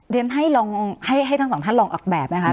เดี๋ยวให้ทั้งสองท่านลองออกแบบนะคะ